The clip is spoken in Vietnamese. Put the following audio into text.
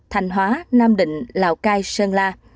thành hóa nam định lào cai sơn la